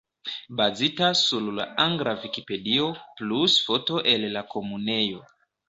Bazita sur la angla Vikipedio, plus foto el la Komunejo.